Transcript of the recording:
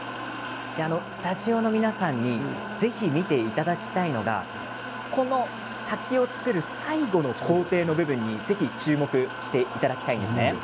スタジオの皆さんにぜひ見ていただきたいのがこの先を作る最後の工程の部分にぜひ注目していただきたいんです。